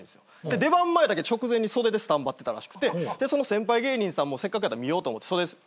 出番前だけ直前に袖でスタンバってたらしくてその先輩芸人さんもせっかくやったら見ようと思って袖で見てくれたらしいんです。